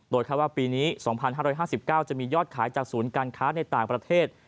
โดยคาดว่าปีนี้๒๕๕๙จะมียอดขายจากศูนย์การค้าในต่างประเทศ